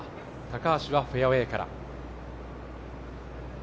高橋はフェアウエーから。